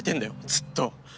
ずっと。